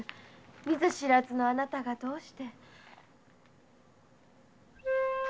見ず知らずのあなたがどうして？